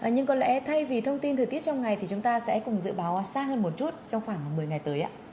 nhưng có lẽ thay vì thông tin thời tiết trong ngày thì chúng ta sẽ cùng dự báo xa hơn một chút trong khoảng một mươi ngày tới ạ